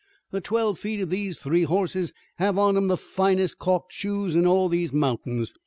"The twelve feet of these three hosses have on 'em the finest calked shoes in all these mountains.